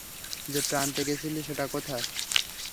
যেটা আনতে গেছিলে, সেটা কোথায়?